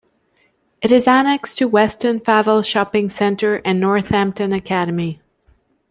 It is annexed to Weston Favell Shopping Centre and Northampton Academy.